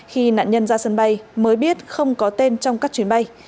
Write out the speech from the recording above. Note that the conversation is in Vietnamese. khi nạn nhân ra sân bay mới biết không có tên trong các chuyến bay